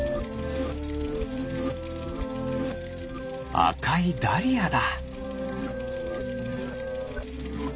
あかいダリアだ。